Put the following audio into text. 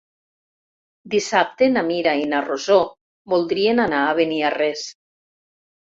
Dissabte na Mira i na Rosó voldrien anar a Beniarrés.